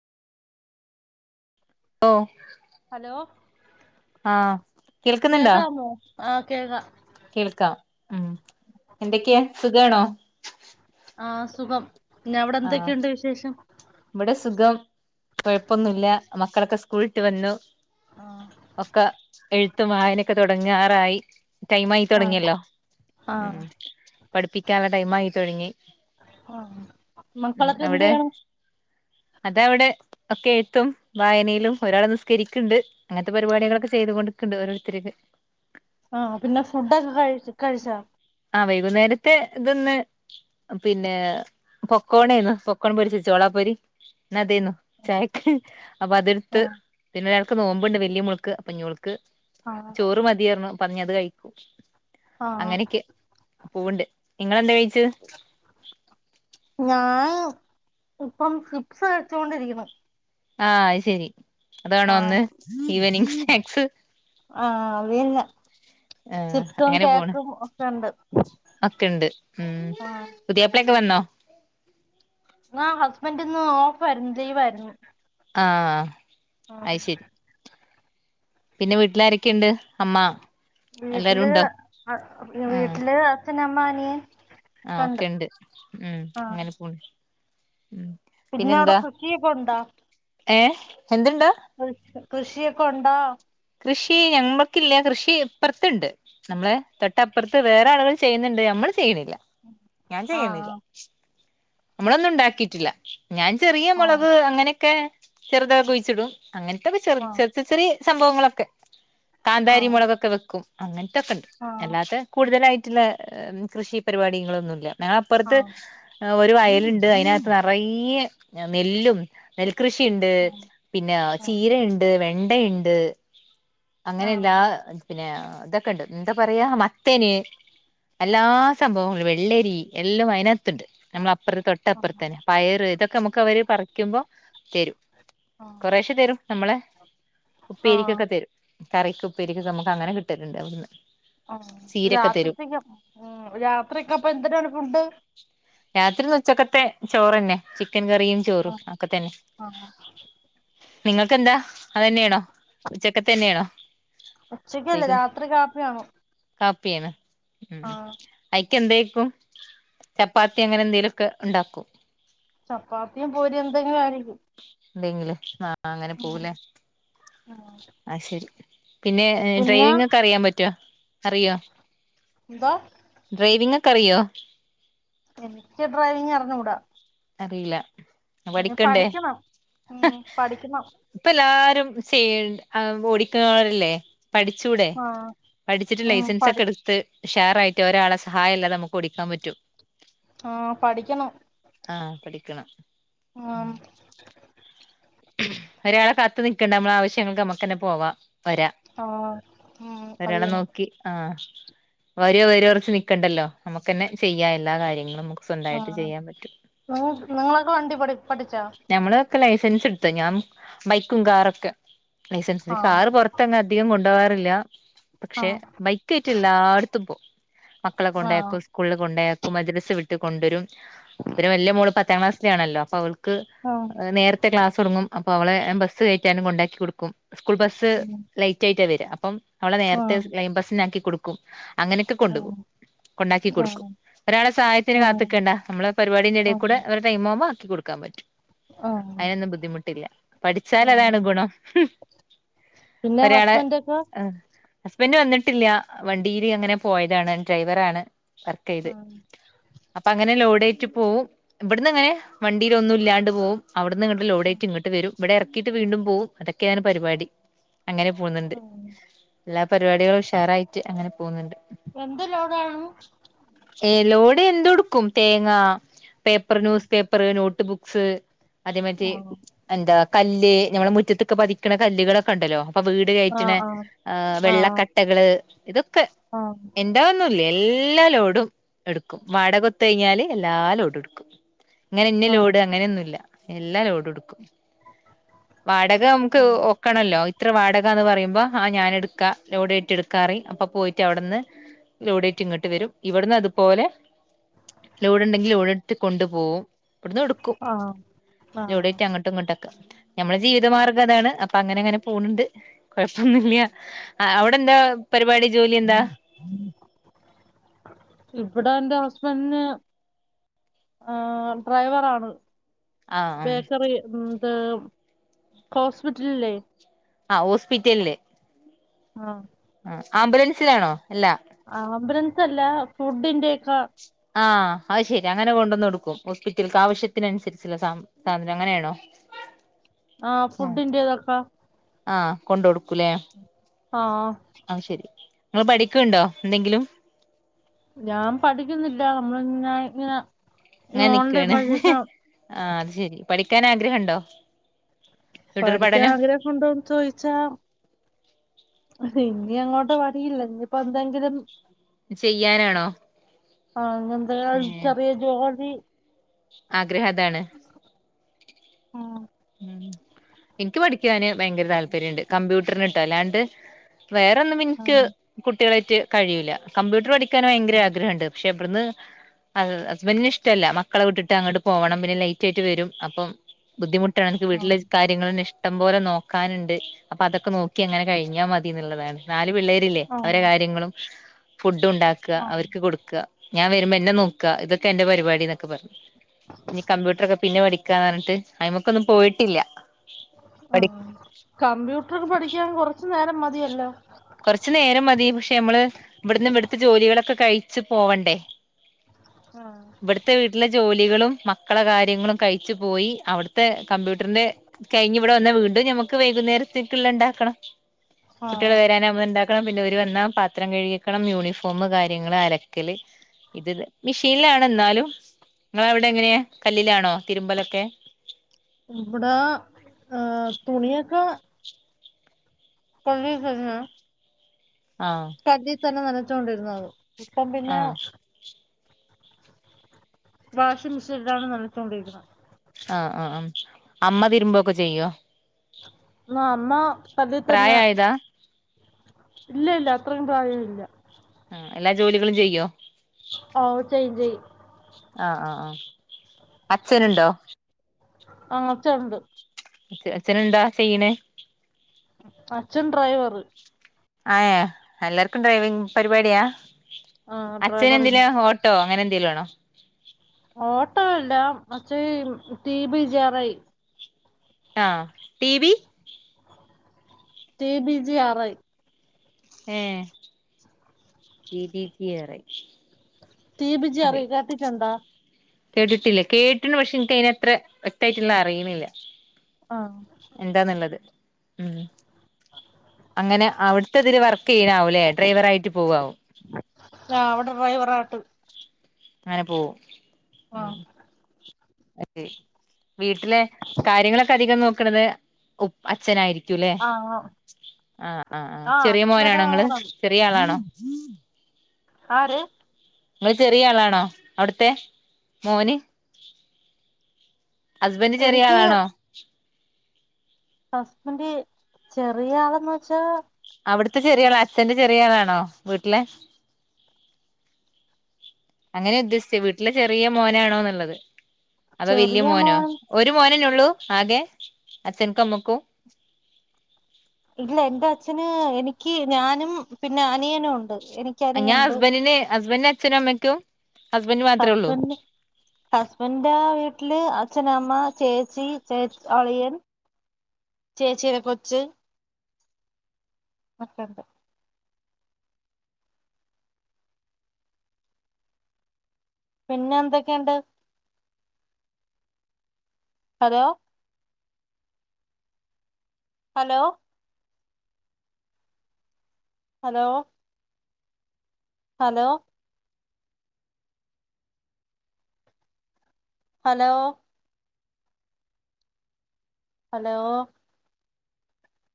ഓ hello ആഹ കേൾക്കുന്നുണ്ടോ? ആ കേക്കാ കേൾക്കാം ഉം എന്തൊക്കെയ സുഖണോ? ആ സുഖം പിന്ന അവിടെ ആഹ് എന്തൊക്കെയുണ്ട് വിശേഷം. കുഴപ്പമൊന്നുമല്ല മക്കളൊക്കെ സ് കൂളട്ട് വന്നു. ആഹ് ഒക്കെ എഴുത്തും വായനൊക്കെ തുടങ്ങാറായി. ടൈമായി തുടങ്ങിയല്ലോ ഉ ആഹ് പഠിപ്പിക്കുള്ളെ ടൈംമായി തുടങ്ങി. ആഹ മക്കളക്കെ എന്തയാണ്? അതവിടെ ഒക്കെ എഴുത്തും വായനയിലും ഒരാള നിസ്കരിക്കുണ്ട്. അങ്ങനത്തെ ആഹ് പരിപാടികളൊക്കെ ചെയ്തുകൊണ്ടിട്ടുണ്ട്. ഓരോരുത്തർ ആഹ പിന്നെ ഫുഡൊക്കെ കഴ കഴിച്ചാ ആഹ് വൈകുന്നേരത്തെ ഇതൊന്ന് പിന്നെ പൊക്കോണേു പൊക്കോൺ പൊരിച്ച ചോളാ പൊരി എന്ന അതു ചായക്ക് അപ്പൊ അതെടുത്ത് ആഹ് പിന്നെ ഒരാൾക്ക് നോമ്പുണ്ട് വലിയ മുളുക്ക് അപ്പൊ ഞോൾക്ക് ആഹ് ചോറ് മതിയു പറഞ്ഞ അത് കഴിക്കൂ ആഹ പൂവണ്ട് നിങ്ങൾ എന്താ കഴി ഞാൻ ഇപ്പം ചിപ്സ് കഴിച്ചൊണ്ടിരിക്കുന്നു. ആഹ അത് ശെരി അതാണോ ഒന്ന് ഈവനിങ് സ്നാക്സ്. ആഹ അറില്ല ആഹ് ചിപ്സും കേക്കും ഒക്കെ ഇണ്ട്. ഒക്കെുണ്ട് ഉം പുതിയപ്പളൊക്കെ വന്നോ? ആ ഹസ്ബൻഡന്ന് ഓഫയിരുന്നു ലിവായിരുന്നു. ആഹ അയി ശരി. പിന്നെ വീട്ടിലാരൊക്കെയുണ്ട്? അമ്മ എല്ലാരും വീട്ടില് ഉണ്ടോ വീട്ടില് അച്ഛൻ, അമ്മ, അനിയൻ ആഹ ഒക്കെണ്ട് ഒക്കെ ഉണ്ട് ഉം ആഹ് അങ്ങനെ പോണ്. ഉം പിന്നെ അവിടെ പിന്നെന്താ കൃഷിയൊക്കെ ഉണ്ടാ? ഏ എന്തുണ്ടാ കൃഷിയൊക്കെ ഉണ്ടോ? കൃഷി ഞമ്മൾക്കില്ല കൃഷി ഇപ്പുറത്ത്ണ്ട് നമ്മളേ തൊട്ടപ്പുറത്ത് വേറെ ആളുകൾ ചെയ്യുന്നുണ്ട് ഞമ്മൾ ചെയ്യണില്ല ഞാൻ ചെയ്യണില്ല ആഹ് നമ്മളൊന്നും ഉണ്ടാക്കിട്ടില്ല. ഞാൻ ചെറിയ ആഹ് മുളക് അങ്ങനെയൊക്കെ ചെറുതൊക്കെ കുഴിച്ചിടും അങ്ങനതോക്കേ ചെർ ആഹ് ചെർ ചെറിയ സംഭവങ്ങൾ കാന്താരി മുളകൊക്കെ വെക്കും അങ്ങനത്തെക്കെ ഉണ്ട് ആഹ് അല്ലാത്ത കൂടുതൽ മറ്റ്‌ള്ള കൃഷി പരിപാടികളൊന്നുംല്ല ഞങ്ങളപ്പുറത്‌ ആഹ് ഒരു വയലുണ്ട് അതിനകത്ത് നറയെ നെല്ലും കൃഷിണ്ട് പിന്നേ ആഹ് ചീരണ്ട് വെണ്ടണ്ട് അങ്ങനെയല്ലാ ആഹ് പിന്നെ ഇതൊക്കെ ണ്ട് എന്താ പറയാ മത്തേന്. എല്ലാ സംഭവങ്ങള വെള്ളരി എല്ലാം അതിനത്ണ്ട് നമ്മളെ അ അപ്പുറത്ത് ആഹ് തൊട്ടപ്പുറത്ത്ത്തന്നെ പയറ് ഇതൊക്കെ നമ്മുക്ക് അവര് പറിക്കുമ്പോ തെരും ആഹ് കുറേശെ തരും നമ്മളെ ഉപ്പേരി ക്കോക്കെ ആഹ് തരും കറിക്ക് ഉപ്പരിക് നമ്മക്ക് അങ്ങനെ കിട്ടല്ണ്ട് അവിടുന്ന്. ആഹ് ചീരൊക്കെ തരും രാത്രിത്തിക്ക് ഉം രാത്രിക്കെ അപ്പാ എന്തരാണ് ഫുഡ്‌? രാത്രിന്ന് ഉച്ചക്കത്തെ ചോറന്നെ. ചിക്കൻ കറിയും, ചോറും ആഹ് ആക്ക തന്നെ. ആഹ് നിങ്ങക്ക്ന്താ അതെന്യായാണോ ഉച്ചക്കത്തെന്നെയാണോ? ഉച്ചക്കല്ലേ രാത്രി കാപ്പിയാണ്. പിന്നെ ഉം ഐക്കേന്തേക്കും ചപ്പാത്തി അങ്ങനെ എന്തേലൊക്കെ ഒണ്ടാക്കു ചപ്പാത്തിയും, പൂരിയും എന്തെങ്കിലും ആയിരിക്കും. ണ്ടെങ്കില് അ അങ്ങനെ ഉം പോവുലേ ഉം ആ ശരി. പിന്നേ പിന്നെ ഡ്രൈവിംഗ്ക്കെ അറിയാൻ പറ്റോ അറിയോ? എന്തോ ഡ്രൈവിംഗ് ക്കറിയോ? എനിക്ക് ഡ്രൈവിങ്ങ് അറിഞ്ഞുടാ. അറിയില്ല പഠിക്കണ്ടേ? പഠിക്കണം ഉം പഠിക്കണം ഇപ്പയെല്ലാരും സ് ഏൾണ്ട് ആഹ് ഓടിക്കേറെല്ലേ? പഠിച്ചൂടെ? ആഹ് പഠിച്ചിട്ട് ഉം പഠി ലൈസൻസ്ക്കെ എടുത്ത്. ഉഷാറായിട്ട് ഒരാളെ സഹായം ഇല്ലാതെ നമ്മ്ക്ക് ഒടിക്കാൻ പറ്റും ആ പഠിക്കണം. ക്ക്ണം ഉം ആഹ് ഒരാളെ കാത്ത് നിക്കേണ്ട നമ്മളെ വശ്യങ്ങൾക്ക് നമ്മകെന്നെ പോവാം. വരാ ആഹ് ഉം അത് ഒരാളേ ചെയ്യണം നോക്കി ആഹ് വരുവോ വരു ഉറച്ച്‌ നിക്കണ്ടല്ലോ നമ്മക്കന്നെ ചെയ്യാം എല്ലാ കാര്യങ്ങളും സ്വന്തായായിട്ട് ആഹ് ചെയ്യാൻ പറ്റും നിങ്ങ നിങ്ങളൊക്കെ വണ്ടി പഠി പഠിച്ചാ നമ്മളോക്കെ ലൈഫ് സെൻസ് എട്ത്ത് ഞാൻ ബൈക്കും കാറൊക്കെ ലൈസൻസ് ആഹ് കാർ പൊറത്തങ്ങ് അധികം കൊ ണ്ടവാറില്ല പക്ഷേ ആഹ് ബൈകേറ്റ്യില്ലാട്ത്തും പോവും മക്കളെ ആഹ് കൊണ്ടയാക്കും സ്കൂൾ കൊണ്ടായാക്കും മജ്ലിസ് വിട്ട് കൊണ്ടോരും പിന്നെ വെല്യ മോള് പത്താം ക്ലാസ്സില് ആണല്ലോ അപ്പൊ അവൾക്ക് ആഹ് നേരത്തെ ക്ലാസ് തുടങ്ങും അപ്പൊ അവളെ ബസ്സ് കേറ്റാനും കൊണ്ടാക്കി കൊടുക്കും സ്കൂൾ ബസ് ഉം ലേറ്റ് ആയിട്ട വര അപ്പം അവളെ നേരത്തെ ആഹ് ലൈൻബസിനാക്കി കൊടുക്കും അങ്ങനെക്കെ കൊണ്ടു ആഹ് പോവും കൊണ്ടാക്കി കൊടുക്കും ആഹ് ഒരാളെ സഹായത്തിന് കാത്‌ക്കേണ്ട നമ്മളെ പരിപാടിന്റെ ഇടയിൽ കൂടെ അവരേ ടൈം ആകുമ്പോ ക്കി കൊടുക്കാൻ പറ്റും. ഒഹ് ട്ടില്ല പഠിച്ചാൽ അതാണ് ഗുണം പിന്നെ ഒരാളെ ഹസ്ബന്റൊക്കെ ആ ഹസ്ബൻ്റ് വന്നിട്ടില്ല വണ്ടിയില് അങ്ങനെ പോയതാണ് ഡ്രൈവർ ആണ് വർക്കയ്ത് ആഹ് അപ്പൊ അങ്ങനെ ലോഡേറ്റ് പോവും ഇവിടന്ന് അങ്ങനെ വണ്ടിൽ ഒന്നും ഇല്ലാണ്ട് പോവും അവിടുന്ന് ങ്ങട്ട് ലോഡ് ട്ട്വരും ഇവിടെ ഇറക്കിയിട്ട് വീണ്ടും പോവും അതൊക്കെയാണ് പരിപാടി. അങ്ങനെ പോകുന്നുണ്ട് ആഹ് എല്ലാ പരിപാടികളും ഷെയറായിട്ട് അങ്ങനെ പോകുന്നുണ്ട്. എന്ത് ലോടാണ് ഏഹ് ലോട് എന്തും എടുക്കും തേങ്ങ പേപ്പർ ആഹ് ന്യൂസ് പേപ്പർ നോട്ട് ബുക്സ് അതേ മറ്റെ ആഹ് എന്താ കല്ല് നമ്മളുടെ മുറ്റത്തൊക്കെ പതിക്കണ കല്ലുകളൊക്കെ ഉണ്ടല്ലോ ഇപ്പൊ വീട് കയറ്റ ആഹ് ആഹ് വെള്ളക്കട്ടകള് ഇതൊക്കെ ആഹ് എന്താ എന്ന് ഒന്നുംല്ലേ എല്ലാ ലോടും എടുക്കും വാടക കൊടുത്ത് കഴിഞ്ഞാല് എല്ലാ ലോടും എടുക്കും ഇങ്ങനെ ഇന്ന ലോഡ് ആഹ് അങ്ങനെയൊന്നുമില്ല എല്ലാ ലോഡ് എടുക്കും വാടക നമുക്ക് ആഹ് ഒക്കണല്ലോ ഇത്ര വാടക എന്ന് പറയുമ്പോ ആ ഞാൻ എടുക്കാ ലോഡ് എടുക്കാറി അപ്പൊ പോയിട്ട് അവിടുന്ന് ലോഡേറ്റി ഇങ്ങോട്ട് വരും ഇവിടുന്ന് അതുപോലെ ലോഡ് ഉണ്ടെങ്കിൽ ലോട് എടുത്ത് കൊണ്ടു പോവും ഇവിടുന്ന് എടുക്കും ആഹ് ലോടെ ആഹ് നമ്മെ ജീവിത മാർഗം അതാണ് അപ്പൊ അങ്ങനെ അങ്ങനെ പോന്നുണ്ട് കൊഴപ്പൊന്നുമില്ല അവിടെ എന്താ പരിപാടി ജോലി എന്താ ഇവിടെ എന്റെ ഹസ് ബൻ്റ് ആഹ് ഡ്രൈവർ ആണ് ആഹ് ഉം ബേക്കറി ഹോസ്പിറ്റല് ഇല്ലേ ആന്ന് ഹോസ്പിറ്റലില് ആഹ് ആ ആംബുലൻസിലാണോ അല്ല ആംബലൻസ് അല്ല ഫുഡിന്റെ ഒക്കെ ആഹ് അത് ശെരി അങ്ങനെ കൊണ്ടന്ന് കൊടുക്കും ഹോസ്പിറ്റൽസ് ആവശ്യത്തിനനുസരിച്ചുള്ള സാ സാധനം അങ്ങനെയാണോ ആഹ് ഫുഡിൻ്റെതൊക്കാ ആഹ് കൊണ്ട് കൊടുക്കൂലേ ആഹ് അത് ശരി നിങ്ങൾ പഠിക്കണ്ടോ എന്തെങ്കിലും ഞാൻ പഠിക്കുന്നില്ല നമ്മൾ ഇ ഇങ്ങനെ അങ്ങനെ ഓൺലൈൻ നിക്കുവാണ് വഴിയൊക്കെ ആഹ് അത് ശെരി പഠിക്കാൻ ആഗ്രഹമുണ്ടോ പഠിക്കാൻ ആഗ്രഹമുണ്ടോന്ന് ചോയിച്ചാ ഇനി അങ്ങോട്ട് പഠിയില്ല ഇനിയപ്പോ എന്തെങ്കിലും ചെയ്യാനാണോ [unintelligible] ഏഹ് ചെറിയ ജോലി ആഗ്രഹം അതാണ് ഉം ഉം എനിക്ക് പഠിക്കാന് ഭയങ്കര താല്പര്യമുണ്ട് കമ്പ്യൂട്ടറിന് ഇട്ടോ അല്ലാണ്ട് വേറെന്നും എനിക്ക് ഉം കുട്ടികളായിട്ട് കഴിയൂല്ല കമ്പ്യൂട്ടർ പഠിക്കാൻ ഭയങ്കര ആഗ്രഹം ഉണ്ട് പക്ഷെ ഇവിടന്ന് അ ഹസ്ബൻ്റിന് ഇഷ്ടമല്ല മക്കളെ വിട്ടിട്ട് അങ്ങോട്ട് പോവണം പിന്നെ ലേറ്റ് ആയിട്ട് വരും അപ്പം ബുദ്ധിമുട്ട് എനിക്ക് ഉം വീട്ടില് കാര്യങ്ങള് ഇഷ്ടം പോലെ നോക്കാനുണ്ട് അപ്പോ അതൊക്കെ നോക്കി അങ്ങനെ കഴിഞ്ഞാൽ മതി എന്നുള്ളതാണ് പിള്ളേരില്ലേ ആ അവരെ കാര്യങ്ങളും ഫുഡ് ഉണ്ടാക്ക ആ അവർക്ക് കൊടുക്കുക ഞാൻ വരുമ്പോ എന്നെ നോക്കുക ഇതൊക്കെ എന്റെ പരിപാടി എന്നൊക്കെ പറഞ്ഞു നീ കമ്പ്യൂട്ടർ ഒക്കെ പിന്നെ പഠിക്ക പഠിക്കാന്ന് പറഞ്ഞിട്ട് അയിമക്ക ഒന്നും പോയിട്ടില്ല പഠി ആഹ് കമ്പ്യൂട്ടർ പഠിക്കാൻ കൊറച്ചു നേരം മതിയല്ലോ കുറച്ചു നേരം മതി പക്ഷെ നമ്മള് ഇവിടന്ന് ഇവിടുത്തെ ജോലികളൊക്കെ കഴിച്ചു പോവണ്ടേ ആ ഇവിടുത്തെ വീട്ടിലെ ജോലികളും മക്കളെ കാര്യങ്ങളും കഴിച്ചു പോയി അവിടുത്തെ കമ്പ്യൂട്ടറിന്റെ കഴിഞ്ഞ് ഇവിടെ വന്ന് വീണ്ടുംഞമ്മുക്ക് വൈ വൈകുനേരത്തേക്ക് ഉള്ളത് ഉണ്ടാക്കണം ആഹ് ഉണ്ടാക്കണം പിന്നെ ഇവരുവന്നാ പാത്രം കഴുകി വെക്കണം യൂണിഫോം കാര്യങ്ങള് അലക്കല് ഇത് മെഷീനിലാണ് എന്നാലും നിങ്ങള അവിടെ എങ്ങനെയാ കല്ലിലാണോ തിരുമ്പലൊക്കെ ഇവിട ആഹ് തുണിയൊക്കെ കഴുകി കഴിഞ്ഞു ആ കല്ലിൽ തന്നെ നനച്ചോണ്ടിരുന്നത് ഇപ്പം പിന്നെ ആഹ് വാഷിംഗ് മെഷീനിലാണ് നനച്ചോണ്ടിരിക്കുന്ന ആ ആ ആ അമ്മ തിരുമ്പോക്കെ ചെയ്യോ ആ അമ്മ അതി തന്നെ പ്രായായതാ ഇല്ല ഇല്ല അത്രയും പ്രായം ഇല്ല ആ എല്ലാ ജോലികളും ചെയ്യോ ഓ ചെയ്യും ചെയ്യും ആ ആ ആ അച്ഛനുണ്ടോ ആ അച്ഛനുണ്ട് അച്ഛന് എന്താ ചെയ്യണേ അച്ഛൻ ഡ്രൈയിവറ് ആയ് എല്ലാർക്കും ഡ്രൈവിങ് പരിപാടിയാ ആ അച്ഛന് എന്തില ഡ്രൈവറിന്ന് ഓട്ടോ അങ്ങനെ എന്തെങ്കിലും ആണോ ഓട്ടോ അല്ല മറ്റേ റ്റീ ബിജറായി ആ ടി വി റ്റി ബിജി ആറായി ഏ റ്റി ബിജി ആറായി റ്റി ബിജി ആറയി കണ്ടിട്ടുണ്ടോ കേട്ടിട്ടില്ല കേട്ടിനു പക്ഷെ എനിക്ക അതത്ര വ്യക്തായിട്ടുന്നു അറിയണില്ല ആ എന്താന്നുള്ളത് ഉം അങ്ങനെ അവി ട്ട് അതിൽ വർക്ക് ചെയ്യണാവല്ലേ ഡ്രൈവർ ആയിട്ട് പോവാവും ആ അവിടെ ഡ്രൈവറായിട്ട് അങ്ങനെ പോവും ആ അതെ വീട്ടിലെ കാര്യങ്ങളൊക്കെ അധികം നോക്കണത് ഉപ അച്ഛനായിരിക്കുംല്ലേ ആ ആ ആ ആ ചെറിയ മോനണോ നിങ്ങള് ചെറിയ ആളാണോ ആര് നിങ്ങള് ചെറിയ ആളാണോ അവിടുത്തെ മോന് ഹസ്ബൻറ്റ് ചെറിയ ആളാണോ ഹസ്ബെൻ്റ് ചെറിയ ആളന്ന് വെച്ചാ അവിടുത്തെ ചെറിയള് അച്ഛന്റെ ചെറിയളാണോ വീട്ടിലെ അങ്ങനെ ഉദ്ദേശിച്ച വീട്ടില് ചെറിയ മോനാണോന്നുള്ളത് അതോ വലിയ ചെറിയ മോനോ മോൻ ഒരു മോന ഉള്ള ആകെ അഛൻകും അമ്മക്കും ഇല്ല എന്റെ അച്ഛന് എനിക്ക് ഞാനും പിന്നെ അനിയനും ഉണ്ട് എനിക്ക് ഞാൻ അനിയുണ്ട് ഹസ്ബൻറിന് ഹസ്ബൻറിന്റെ അച്ഛനും അമ്മയ്ക്കും ഹസ്ബൻഡ് മാത്രേ ഉള്ളൂ ഹസ്ബെൻ്റ് ഹസ്ബെൻ്റിൻ്റെ വീട്ടില് അച്ഛനമ്മ ചേച്ചി ചേച്ച് അളിയൻ ചേച്ചിയുടെ കൊച്ച് മറ്റണ്ട് പിന്നെ എന്തൊക്കെയുണ്ട് hello hello hello hello hello hello